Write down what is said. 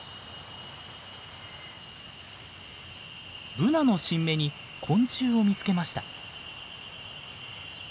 ブナの新芽に昆虫を見つけました。